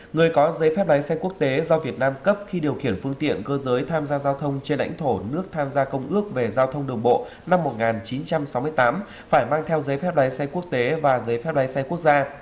người có giấy phép lái xe quốc tế do việt nam cấp khi điều khiển phương tiện cơ giới tham gia giao thông trên lãnh thổ nước tham gia công ước về giao thông đường bộ năm một nghìn chín trăm sáu mươi tám phải mang theo giấy phép lái xe quốc tế và giấy phép lái xe quốc gia